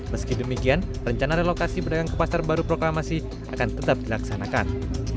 meski demikian rencana relokasi pedagang ke pasar baru proklamasi akan tetap dilaksanakan